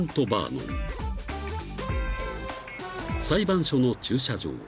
［裁判所の駐車場］